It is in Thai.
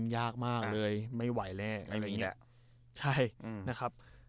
ยากมากเลยไม่ไหวแล้วอะไรอย่างนี้แหละใช่นะครับ